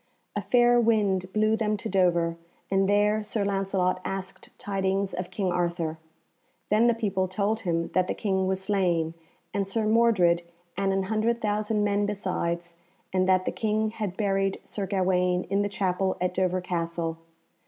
A fair wind blew them to Dover, and there Sir Lancelot asked tidings of King Arthur. Then the people told him that the King was slain, and Sir Mordred, and an hundred thousand men besides, and that the King had buried Sir Gawaine in the chapel at Dover Castle.